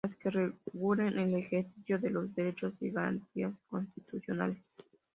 Las que regulen el ejercicio de los derechos y garantías constitucionales.